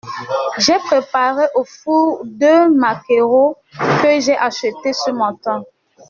J’ai préparé au four deux maquereaux que j’ai achetés ce matin.